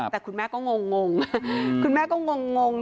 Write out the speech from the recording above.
แต่คุณแม่ก็งง